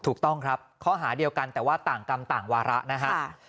ถูกต้องครับข้อหาเดียวกันแต่ว่าต่างกรรมต่างวาระนะฮะ